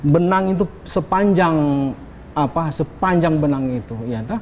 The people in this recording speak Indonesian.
benang itu sepanjang benang itu